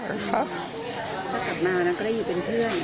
ถ้ากลับมาก็ได้อยู่เป็นเพื่อน